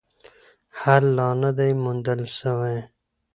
حل لا نه دی موندل سوی.